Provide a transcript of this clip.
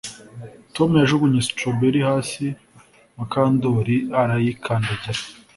Tom yajugunye strawberry hasi Mukandoli arayikandagira